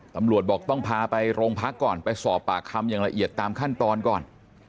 ตำรวจบอกต้องพาไปโรงพักก่อนไปสอบปากคำอย่างละเอียดตามขั้นตอนก่อน